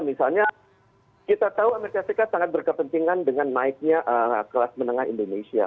misalnya kita tahu amerika serikat sangat berkepentingan dengan naiknya kelas menengah indonesia